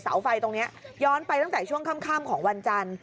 เสาไฟตรงนี้ย้อนไปตั้งแต่ช่วงค่ำของวันจันทร์